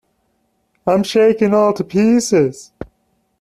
I'm shaken all to pieces!